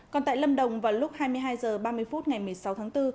còn tại lâm đồng vào lúc hai mươi hai h ba mươi phút ngày một mươi sáu tháng bốn